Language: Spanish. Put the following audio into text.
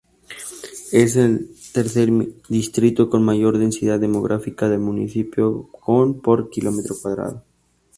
Es el tercer distrito con mayor densidad demográfica del municipio, con por kilómetro cuadrado.